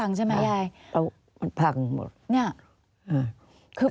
อันดับ๖๓๕จัดใช้วิจิตร